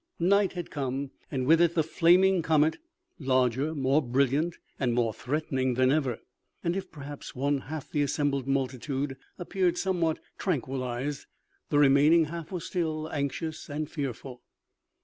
Night had come, and with it the flaming comet, larger, more brilliant, and more threatening than ever ; and if, perhaps, one half the assembled multitude appeared somewhat tranquil lized, the remaining half was still anxious and fearful.